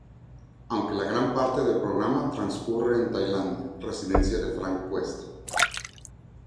Aunque la gran parte del programa transcurre en Tailandia, residencia de Frank Cuesta.